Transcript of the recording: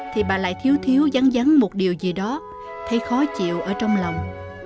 thì bà lại thiếu thiếu vắng một điều gì đó thấy khó chịu ở trong lòng